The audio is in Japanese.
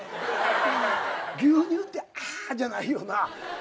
牛乳って「あ」じゃないよな。